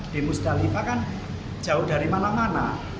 di musdalifah kan jauh dari mana mana